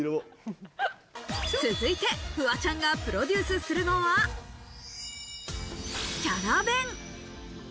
続いてフワちゃんがプロデュースするのは、キャラ弁。